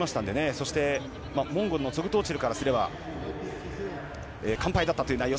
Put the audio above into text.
そして、モンゴルのツォグト・オチルからすれば完敗だったという内容。